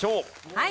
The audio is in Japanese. はい。